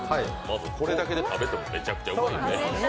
これだけで食べてもめちゃくちゃうまい。